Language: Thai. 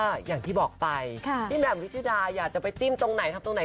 เราขอเขาเฉลยกันเลยดีกว่าค่ะ